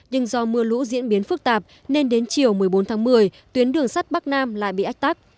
nhưng do mưa lũ diễn biến phức tạp nên đến chiều một mươi bốn tháng một mươi tuyến đường sắt bắc nam lại bị ách tắc